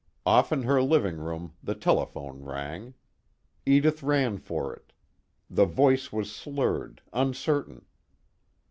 Off in her living room the telephone rang. Edith ran for it. The voice was slurred, uncertain.